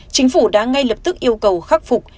chính phủ đã ngay lập tức yêu cầu khắc phục